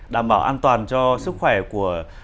đảm bảo an toàn cho sức khỏe của